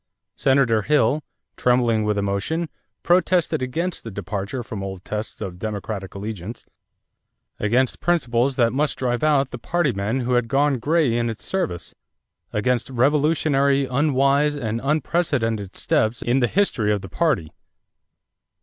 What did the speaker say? Senator Hill, trembling with emotion, protested against the departure from old tests of Democratic allegiance; against principles that must drive out of the party men who had grown gray in its service; against revolutionary, unwise, and unprecedented steps in the history of the party.